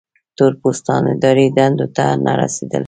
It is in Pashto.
تور پوستان اداري دندو ته نه رسېدل.